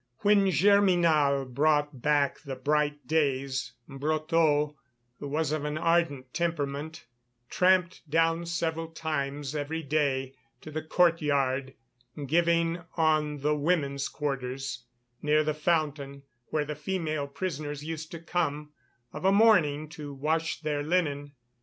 When Germinal brought back the bright days, Brotteaux, who was of an ardent temperament, tramped down several times every day to the courtyard giving on the women's quarters, near the fountain where the female prisoners used to come of a morning to wash their linen.